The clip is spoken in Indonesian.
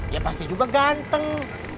ya pasti juga ganteng